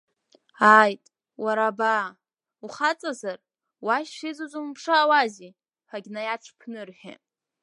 Ааит, уара абаа, ухаҵазар, уашьцәа иӡыз умԥшаауази, ҳәагьы наиаҽԥнырҳәеит.